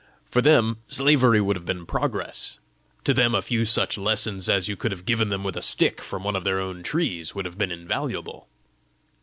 For them slavery would have been progress. To them a few such lessons as you could have given them with a stick from one of their own trees, would have been invaluable."